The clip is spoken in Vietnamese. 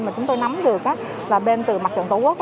mà chúng tôi nắm được là bên từ mặt trận tổ quốc